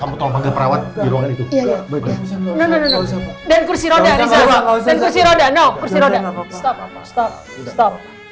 kamu tolong perawat di ruangan itu dan kursi roda roda